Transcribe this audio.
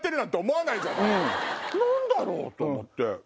何だろう？と思って。